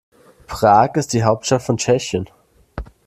Prag ist die Hauptstadt von Tschechien.